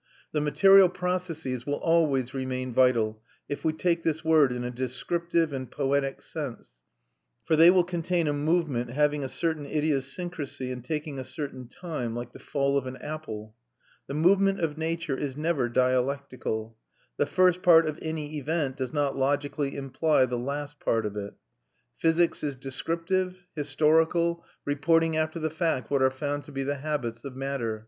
The material processes will always remain vital, if we take this word in a descriptive and poetic sense; for they will contain a movement having a certain idiosyncrasy and taking a certain time, like the fall of an apple. The movement of nature is never dialectical; the first part of any event does not logically imply the last part of it. Physics is descriptive, historical, reporting after the fact what are found to be the habits of matter.